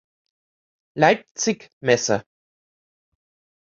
Leipzig Messe.